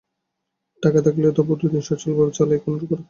টাকা থাকলে তবু দুদিন সচ্ছলভাবে চালাই, কোনো খোরাক তো পায় না প্রতিভার।